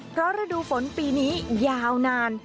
เพราะฤดูฝนปีนี้ยาวนาน